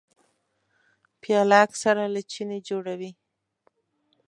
پیاله اکثره له چیني جوړه وي.